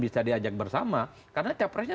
bisa diajak bersama karena capresnya